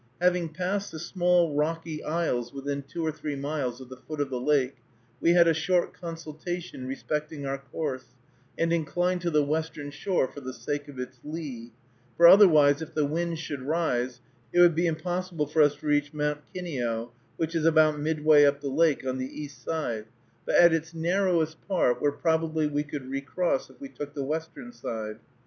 Having passed the small rocky isles within two or three miles of the foot of the lake, we had a short consultation respecting our course, and inclined to the western shore for the sake of its lee; for otherwise, if the wind should rise, it would be impossible for us to reach Mount Kineo, which is about midway up the lake on the east side, but at its narrowest part, where probably we could recross if we took the western side.